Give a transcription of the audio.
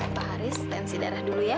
pak haris tensi darah dulu ya